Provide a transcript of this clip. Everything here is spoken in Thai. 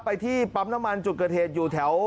ที่ปั๊มน้ำมันจุดเกิดเหตุอยู่แถว